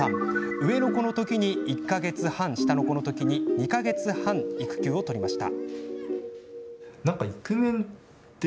上の子の時に１か月半下の子の時に２か月半の育休を取りました。